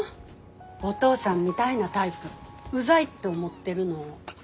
お父さんみたいなタイプうざいって思ってるの。